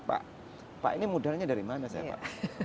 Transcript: pak pak ini modalnya dari mana saya pak